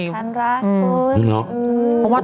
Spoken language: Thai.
ฉันรักคุณ